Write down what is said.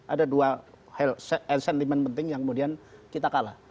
ada dua sentimen penting yang kemudian kita kalah